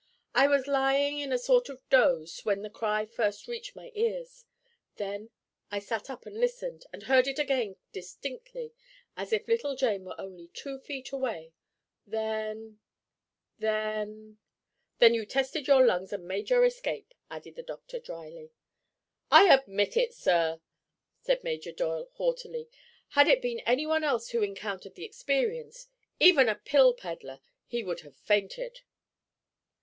"I was lying in a sort of dose when the cry first reached my ears. Then I sat up and listened, and heard it again distinctly, as if little Jane were only two feet away. Then—then—" "Then you tested your lungs and made your escape," added the doctor drily. "I admit it, sir!" said Major Doyle, haughtily. "Had it been anyone else who encountered the experience—even a pill peddler—he would have fainted."